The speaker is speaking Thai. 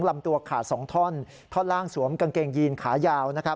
ลำตัวขาด๒ท่อนท่อนล่างสวมกางเกงยีนขายาว